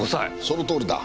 そのとおりだ。